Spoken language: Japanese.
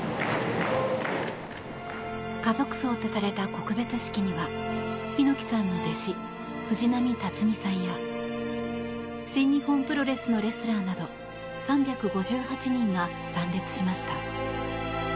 家族葬とされた告別式には猪木さんの弟子・藤波辰爾さんや新日本プロレスのレスラーなど３５８人が参列しました。